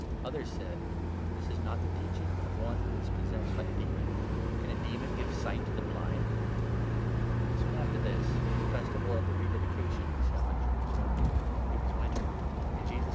" Others 'said :" This is not the teaching of one who is possessed by a demon. Can a demon give sight to the blind ?" josua at tho Soon after this the Festival of the Re dedication Re dedication was held at Jerusalem. It was winter; and Jesus Festival.